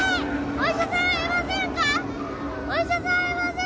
お医者さんはいませんか